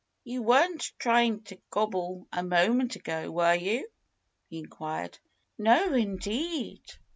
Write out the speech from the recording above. "You weren't trying to gobble a moment ago, were you?" he inquired. "No, indeed!"